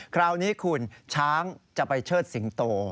คราวนี้คุณช้างจะไปเชิดสิงโต